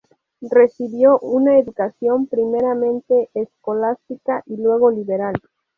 Recibió una educación primeramente escolástica y luego liberal.